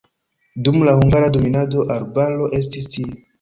Dum la hungara dominado arbaro estis tie.